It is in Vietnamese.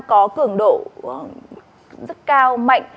có cường độ rất cao mạnh